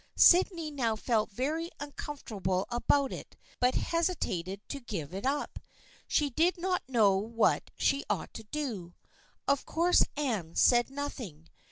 Sydney now felt very uncomfortable about it but hesitated to give it up. She did not know what she ought to do. Of course Anne said nothing.